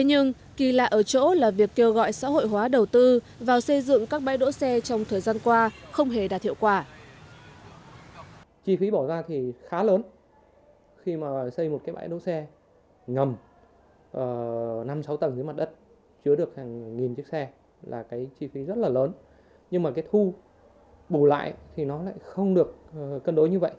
nhưng kỳ lạ ở chỗ là việc kêu gọi xã hội hóa đầu tư vào xây dựng các bãi đỗ xe trong thời gian qua không hề đạt hiệu quả